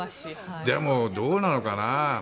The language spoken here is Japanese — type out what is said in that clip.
でも、どうなのかな。